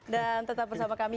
dan tetap bersama kami